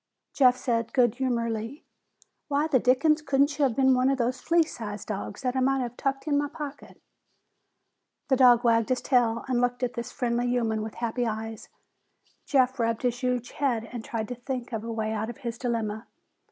Jeff said good humoredly, "Why the dickens couldn't you have been one of those flea sized dogs that I might have tucked in my pocket?" The dog wagged his tail and looked at this friendly human with happy eyes. Jeff rubbed his huge head and tried to think a way out of his dilemma.